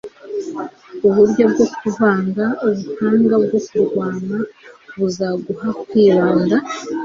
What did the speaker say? uburyo bwo kuvanga ubuhanga bwo kurwana buzaguha kwibanda